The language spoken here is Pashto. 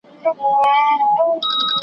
د ټګانو کوډګرانو له دامونو .